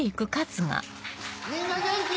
・みんな元気？